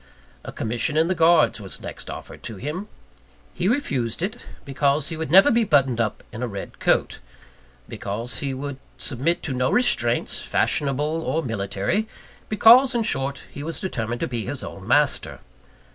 A commission in the Guards was next offered to him. He refused it, because he would never be buttoned up in a red coat; because he would submit to no restraints, fashionable or military; because in short, he was determined to be his own master.